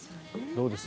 どうです？